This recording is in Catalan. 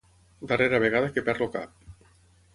Darrera vegada que perd el cap.